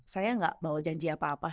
saya nggak bawa janji apa apa